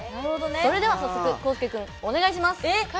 それでは早速コウスケ君、お願いします。